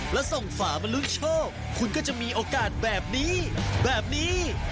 แล้วส่งฝามาลุ้นโชคคุณก็จะมีโอกาสแบบนี้แบบนี้